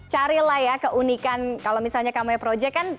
carilah ya keunikan kalau misalnya kamui project kan